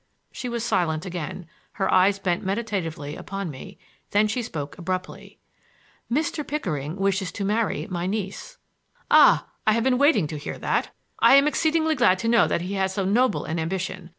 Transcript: She was silent again, her eyes bent meditatively upon me; then she spoke abruptly. "Mr. Pickering wishes to marry my niece." "Ah! I have been waiting to hear that. I am exceedingly glad to know that he has so noble an ambition.